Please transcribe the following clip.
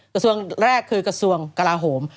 กระทรวงแรกคือกระทรวงกลาโหม